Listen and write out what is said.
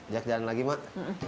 jangan lagi mak